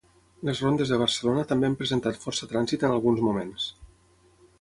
Les rondes de Barcelona també han presentat força trànsit en alguns moments.